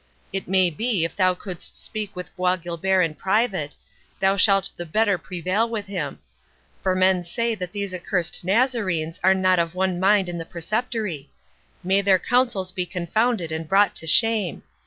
It may be if thou couldst speak with Bois Guilbert in private, thou shalt the better prevail with him; for men say that these accursed Nazarenes are not of one mind in the Preceptory—May their counsels be confounded and brought to shame!